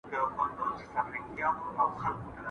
¬ د ځوانۍ يوه نشه ده، هسي نه چي همېشه ده.